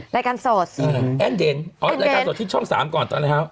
รายการโสดแอ้นเดชน์รายการโสดช่อง๓ก่อนตอนไหนครับ